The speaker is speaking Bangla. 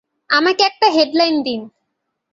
আমাকে একটা হেডলাইন দিন।